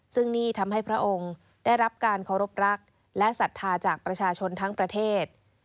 ซึ่งนี่ทำให้พระองค์ได้รับการเคารพรักและศรัทธาจากประชาชนทั้งประเทศ